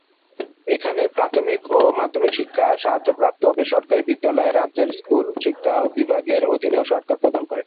এখানে, প্রাথমিক ও মাধ্যমিক শিক্ষা, সাহায্য প্রাপ্ত এবং বেসরকারী বিদ্যালয়ে, রাজ্যের 'স্কুল শিক্ষা বিভাগের' অধীনে সরকার প্রদান করে।